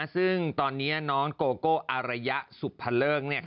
ซึ่งตอนนี้น้องโกโกอารยะสุภเริงเนี่ย